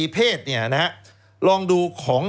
แล้วเขาก็ใช้วิธีการเหมือนกับในการ์ตูน